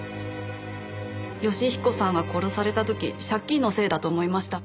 芳彦さんが殺された時借金のせいだと思いました。